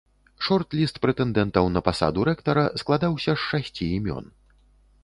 Шорт-ліст прэтэндэнтаў на пасаду рэктара складаўся з шасці імён.